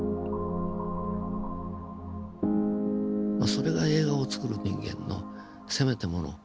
それが映画をつくる人間のせめてもの資格ですね。